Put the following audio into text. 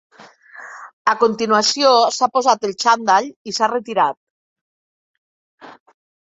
A continuació s’ha posat el xandall i s’ha retirat.